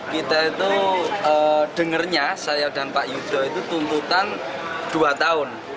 kita itu dengarnya saya dan pak yudho itu tuntutan dua tahun